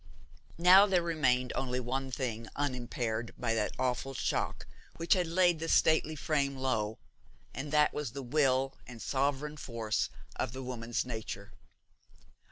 Now there remained only one thing unimpaired by that awful shock which had laid the stately frame low, and that was the will and sovereign force of the woman's nature.